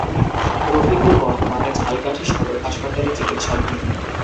রফিকুল বর্তমানে ঝালকাঠি সদর হাসপাতালে চিকিৎসাধীন।